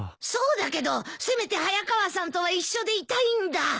そうだけどせめて早川さんとは一緒でいたいんだ。